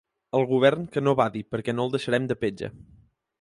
El govern que no badi, perquè no el deixarem de petja.